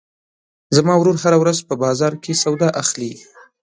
زما ورور هره ورځ په بازار کې سودا اخلي.